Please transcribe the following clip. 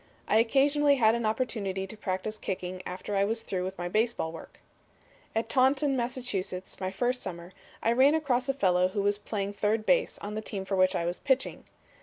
I occasionally had an opportunity to practice kicking after I was through with my baseball work. "At Taunton, Mass., my first summer, I ran across a fellow who was playing third base on the team for which I was pitching.